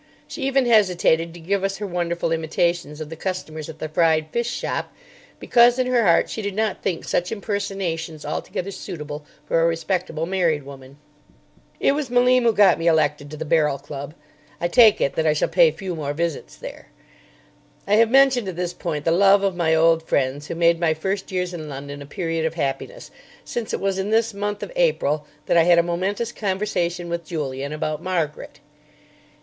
She even hesitated to give us her wonderful imitations of the customers at the fried fish shop, because in her heart she did not think such impersonations altogether suitable for a respectable married woman. It was Malim who got me elected to the Barrel Club. I take it that I shall pay few more visits there. I have mentioned at this point the love of my old friends who made my first years in London a period of happiness, since it was in this month of April that I had a momentous conversation with Julian about Margaret.